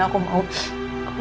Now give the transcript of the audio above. aku mau dia dapat